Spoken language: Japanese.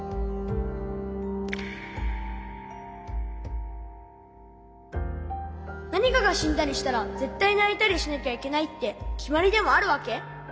回そう何かがしんだりしたらぜったいないたりしなきゃいけないってきまりでもあるわけ？